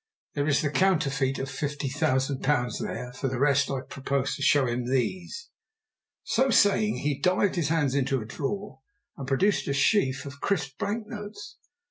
"There is the counterfeit of £50,000 there; for the rest I propose to show him these." So saying, he dived his hand into a drawer and produced a sheaf of crisp bank notes.